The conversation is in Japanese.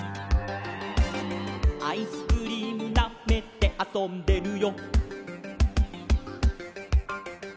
「アイスクリームなめてあそんでるよ」